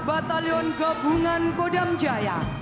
batalion gabungan kodam jaya